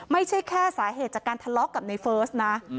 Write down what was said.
ไม่ใช่แค่สาเหตุจากการทะเลาะกับในเฟิร์สนะ